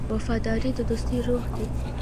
وفاداري د دوستۍ روح دی.